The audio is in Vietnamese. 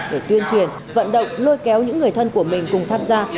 để tuyên truyền vận động lôi kéo những người thân của mình cùng tham gia